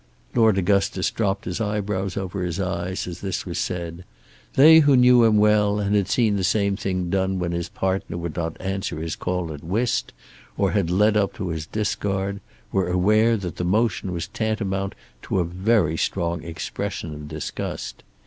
Lord Augustus dropped his eyebrows over his eyes as this was said. They who knew him well and had seen the same thing done when his partner would not answer his call at whist or had led up to his discard were aware that the motion was tantamount to a very strong expression of disgust.